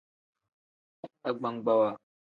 Agbagbawa.